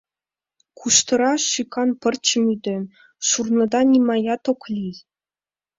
Куштыра, шӱкан пырчым ӱден, шурныда нимаят ок лий.